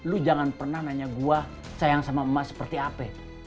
lu jangan pernah nanya gue sayang sama emak seperti ap